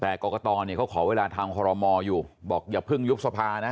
แต่กรกตเนี่ยเขาขอเวลาทางคอรมออยู่บอกอย่าเพิ่งยุบสภานะ